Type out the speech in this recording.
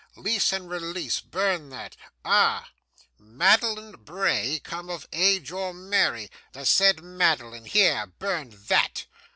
Lease and release burn that. Ah! "Madeline Bray come of age or marry the said Madeline" here, burn THAT!